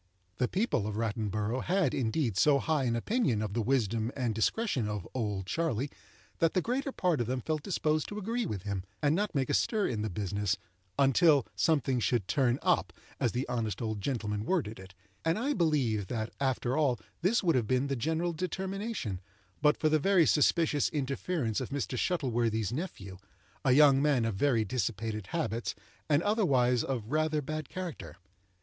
The people of Rattleborough had, indeed, so high an opinion of the wisdom and discretion of "Old Charley," that the greater part of them felt disposed to agree with him, and not make a stir in the business "until something should turn up," as the honest old gentleman worded it; and I believe that, after all this would have been the general determination, but for the very suspicious interference of Mr. Shuttleworthy's nephew, a young man of very dissipated habits, and otherwise of rather bad character.